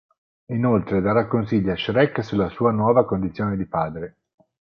Inoltre darà consigli a Shrek sulla sua nuova condizione di padre.